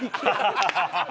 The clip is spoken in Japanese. ハハハハ！